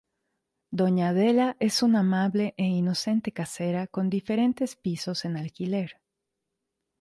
Doña Adela es una amable e inocente casera, con diferentes pisos en alquiler.